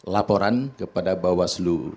laporan kepada bawah seluruh